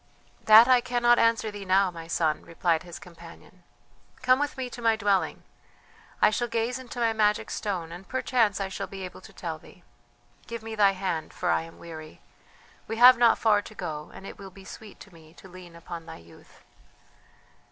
"That I cannot answer thee now, my son," replied his companion. "Come with me to my dwelling; I shall gaze into my magic stone and perchance I shall be able to tell thee. Give me thy hand, for I am weary; we have not far to go, and it will be sweet to me to lean upon thy youth."